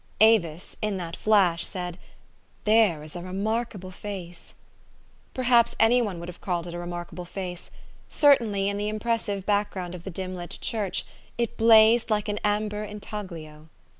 Avis, in that flash, said, u There is a remarkable face !'' Perhaps any one would have called it a re markable face : certainly, in the impressive back ground of the dim lit church, it blazed like an amber intaglio.